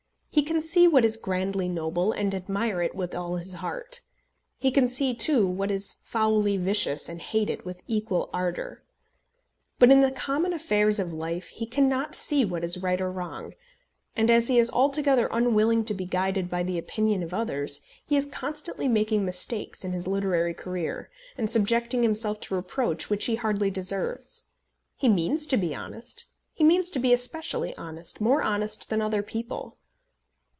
He can see what is grandly noble and admire it with all his heart. He can see, too, what is foully vicious and hate it with equal ardour. But in the common affairs of life he cannot see what is right or wrong; and as he is altogether unwilling to be guided by the opinion of others, he is constantly making mistakes in his literary career, and subjecting himself to reproach which he hardly deserves. He means to be honest. He means to be especially honest, more honest than other people.